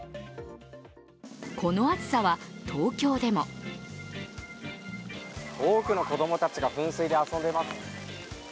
この暑さは東京でも多くの子供たちが噴水で遊んでいます。